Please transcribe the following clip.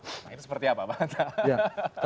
itu seperti apa mbak hanta